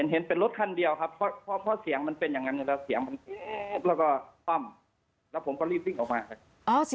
เห็นเป็นรถคันเดียวครับเพราะเสียงมันเป็นอย่างนั้นแล้วเสียงมันแล้วก็คว่ำแล้วผมก็รีบวิ่งออกมาครับ